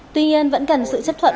tuy nhiên vẫn cần sự chấp thuận